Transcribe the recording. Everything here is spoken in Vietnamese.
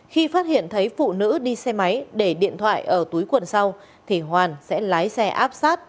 khi phát hiện thấy phụ nữ đi xe máy để điện thoại ở túi quận sau thì hoàn sẽ lái xe áp sát